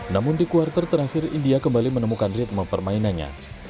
namun di kuartal terakhir india kembali menemukan ritme permainannya